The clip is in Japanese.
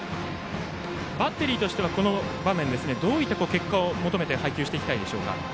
バッテリーとしては、この場面どういった結果を求めて配球したいでしょうか。